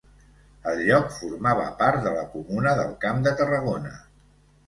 El lloc formava part de la Comuna del Camp de Tarragona.